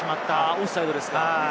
オフサイドですか？